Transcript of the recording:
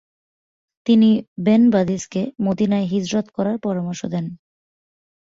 তিনি বেন বাদিসকে মদীনায় হিজরত করার পরামর্শ দেন।